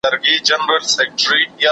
زه مخکي مېوې راټولې کړي وې؟!